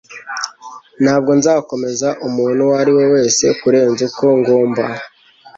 Ntabwo nzakomeza umuntu uwo ari we wese kurenza uko ngomba